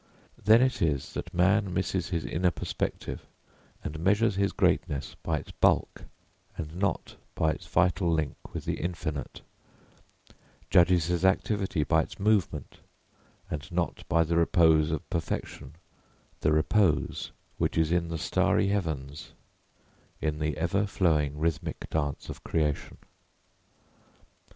Then it is that man misses his inner perspective and measures his greatness by its bulk and not by its vital link with the infinite, judges his activity by its movement and not by the repose of perfection the repose which is in the starry heavens, in the ever flowing rhythmic dance of creation.